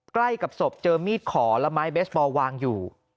ใกล้กับศพเจอมีดขอและไม้เบสบอลวางอยู่